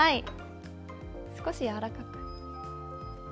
少しやわらかく。